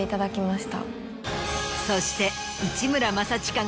そして。